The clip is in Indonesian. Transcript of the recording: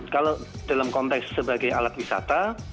kalau dalam konteks sebagai alat wisata